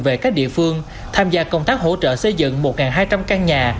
về các địa phương tham gia công tác hỗ trợ xây dựng một hai trăm linh căn nhà